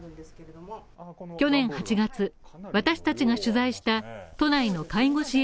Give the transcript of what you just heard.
去年８月、私達が取材した、都内の介護支援